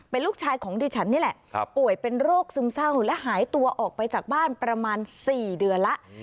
เป็นลูกชายของดิฉันนี่แหละป่วยเป็นโรคซึมเศร้าและหายตัวออกไปจากบ้านประมาณ๔เดือนแล้ว